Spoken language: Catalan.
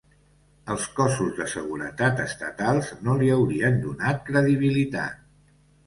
Els cossos de seguretat estatals no li haurien donat credibilitat.